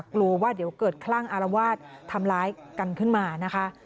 กลัวว่าเดี๋ยวเกิดคลั่งอารวาสทำร้ายกันขึ้นมานะคะ